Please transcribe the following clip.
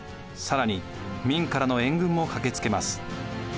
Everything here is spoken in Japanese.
更に明からの援軍も駆けつけます。